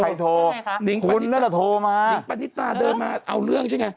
ใครโทรคุณก็จะโทรมานิงปันนิตราเดินมาเอาเรื่องใช่ไง